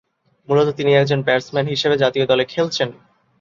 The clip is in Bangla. মূলত তিনি একজন ব্যাটসম্যান হিসেবে জাতীয় দলে খেলছেন।